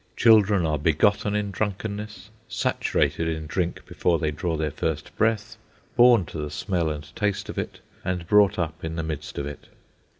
Children are begotten in drunkenness, saturated in drink before they draw their first breath, born to the smell and taste of it, and brought up in the midst of it.